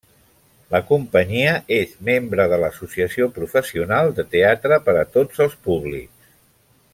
La companyia és membre de l'Associació Professional de Teatre per a Tots els Públics.